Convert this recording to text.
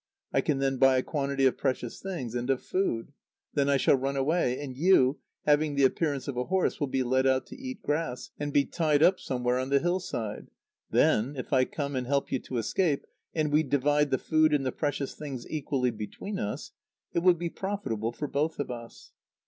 I can then buy a quantity of precious things and of food. Then I shall run away; and you, having the appearance of a horse, will be led out to eat grass, and be tied up somewhere on the hillside. Then, if I come and help you to escape, and we divide the food and the precious things equally between us, it will be profitable for both of us."